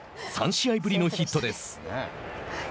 ３試合ぶりのヒットです。